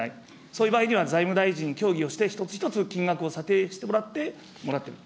そういう場合には財務大臣に協議をして、一つ一つ金額を査定してもらって、もらってる。